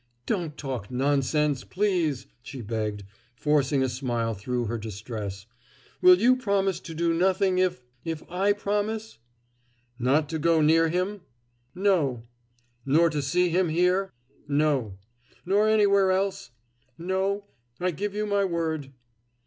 "Don't talk nonsense, please," she begged, forcing a smile through her distress. "Will you promise to do nothing if if I promise?" "Not to go near him?" "No." "Nor to see him here?" "No." "Nor anywhere else?" "No. I give you my word."